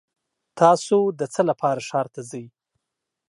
تاسو د څه لپاره ښار ته ځئ؟